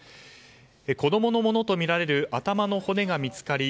子供のものとみられる頭の骨が見つかり